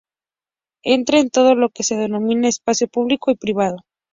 Entra en todo lo que se denomina espacio público y privado.